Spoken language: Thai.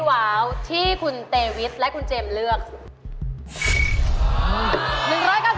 วันรอบ๑๙๙แบบ